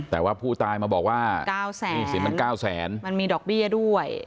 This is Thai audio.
แต่ว่าผู้ตายมาบอกว่าสินมันเก้าแสนมันมีดอกเบี้ยด้วย